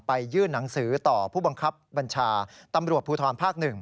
ยื่นหนังสือต่อผู้บังคับบัญชาตำรวจภูทรภาค๑